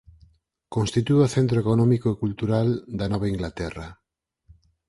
Constitúe o centro económico e cultural da Nova Inglaterra.